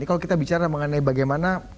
kalau kita bicara mengenai bagaimana